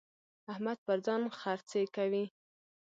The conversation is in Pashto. احمد پر ځان خرڅې کوي.